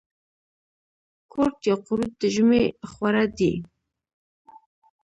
کورت یا قروت د ژمي خواړه دي.